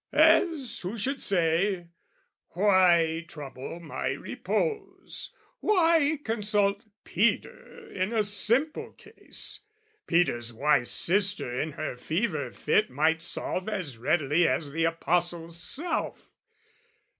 As who should say "Why trouble my repose? "Why consult Peter in a simple case, "Peter's wife's sister in her fever fit "Might solve as readily as the Apostle's self?